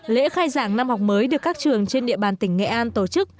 lễ khai giảng năm học mới được các trường trên địa bàn tỉnh nghệ an tổ chức